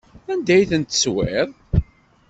Anda ay ten-teswiḍ?